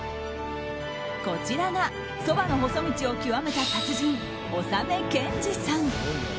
こちらがそばの細道を極めた達人納剣児さん。